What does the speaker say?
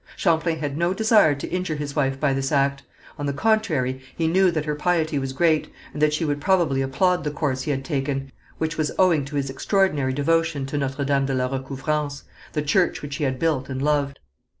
Champlain had no desire to injure his wife by this act; on the contrary, he knew that her piety was great, and that she would probably applaud the course he had taken, which was owing to his extraordinary devotion to Notre Dame de la Recouvrance, the church which he had built and loved.